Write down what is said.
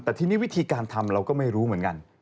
แต่ทีนี้วิธีการทำเราก็ไม่รู้เหมือนกัน